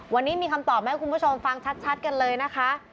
วันนี้มีคำตอบมาให้คุณผู้ชมฟังชัดกันเลยนะคะ